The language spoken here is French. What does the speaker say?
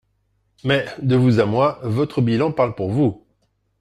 Mais, de vous à moi, votre bilan parle pour vous.